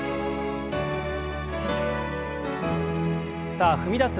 さあ踏み出す